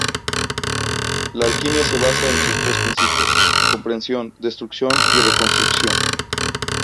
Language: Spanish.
La alquimia se basa en sus tres principios: comprensión, destrucción y reconstrucción.